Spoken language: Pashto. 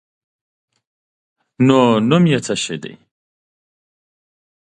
_نو نوم يې څه دی؟